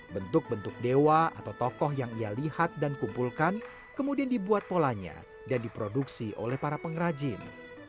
bentuk bentuk dewa atau tokoh yang ia lihat dan kumpulkan kemudian dibuat polanya dan diproduksi oleh para pengrajin